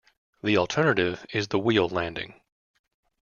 The alternative is the "wheel landing".